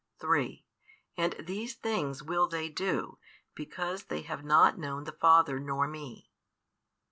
3 And these things will they do, because they have not known the Father nor Me.